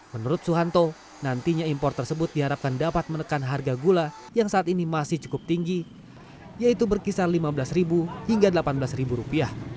menurut suhanto nantinya impor tersebut diharapkan dapat menekan harga gula yang saat ini masih cukup tinggi yaitu berkisar rp lima belas hingga rp delapan belas